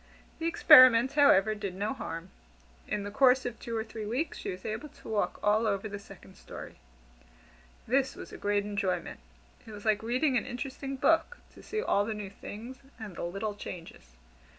The experiment, however, did no harm. In the course of two or three weeks, she was able to walk all over the second story. This was a great enjoyment. It was like reading an interesting book to see all the new things, and the little changes.